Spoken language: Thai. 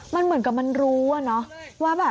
มันเหมือนกับมันรู้ว่าเนี่ย